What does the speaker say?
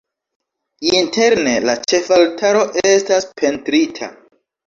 Interne la ĉefaltaro estas pentrita.